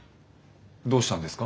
どうしたんですか？